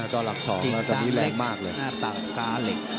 ตีสามหนึ่งสามฝั่งมากเลย